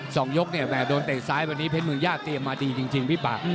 สองยกเนี่ยแห่โดนเตะซ้ายวันนี้เพชรเมืองย่าเตรียมมาดีจริงพี่ป่า